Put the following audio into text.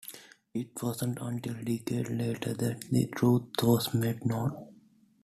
It wasn't until decades later that the truth was made known.